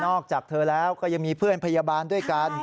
จากเธอแล้วก็ยังมีเพื่อนพยาบาลด้วยกัน